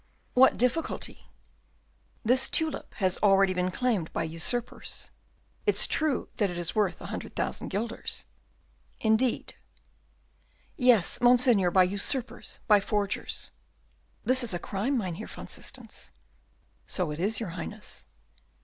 "What difficulty?" "This tulip has already been claimed by usurpers. It's true that it is worth a hundred thousand guilders." "Indeed!" "Yes, Monseigneur, by usurpers, by forgers." "This is a crime, Mynheer van Systens." "So it is, your Highness."